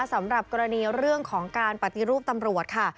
สำหรับกรณีเรื่องของการปฏิรูปตำรวจค่ะ